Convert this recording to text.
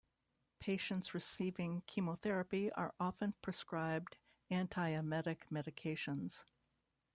Patients receiving chemotherapy are often prescribed antiemetic medications.